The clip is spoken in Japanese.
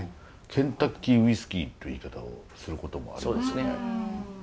ケンタッキーウイスキーって言い方をすることもありますよね？